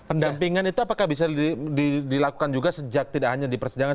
pendampingan itu apakah bisa dilakukan juga sejak tidak hanya di persidangan